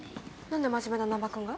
何で真面目な難破君が？